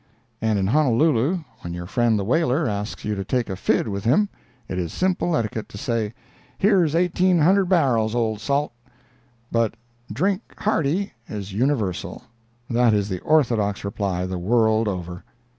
And in Honolulu, when your friend the whaler asks you to take a "fid" with him, it is simple etiquette to say, "Here's eighteen hundred barrels, old salt!" But "Drink hearty!" is universal. That is the orthodox reply, the world over.